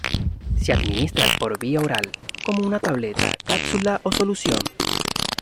Se administra por vía oral como una tableta, cápsula o solución.